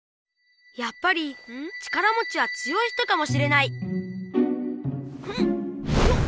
やっぱり力もちは強い人かもしれないふんよっ！